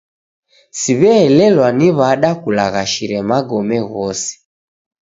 Siw'eelelwa ni w'ada kulagharishe magome ghose.